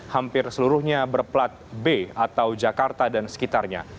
hampir seluruhnya berplat b atau jakarta dan sekitarnya